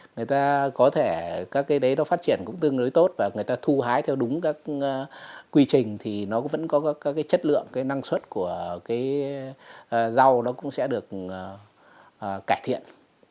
người ta có thể các cái đấy nó phát triển cũng tương đối tốt và người ta thu hái theo đúng các quy trình thì nó vẫn có các cái chất lượng cái năng suất của cái rau nó cũng sẽ được cải thiện